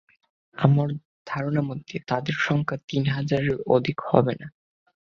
আমার ধারণা মতে তাদের সংখ্যা তিন হাজারের অধিক হবে না।